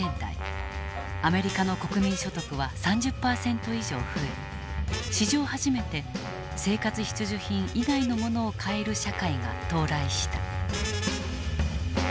アメリカの国民所得は３０％以上増え史上初めて生活必需品以外のものを買える社会が到来した。